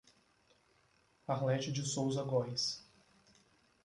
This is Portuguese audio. Arlete de Soouza Gois